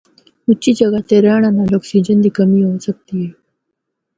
اُچھی جگہ تے رہنڑا نال آکسیجن دی کمی ہو سکدی ہے۔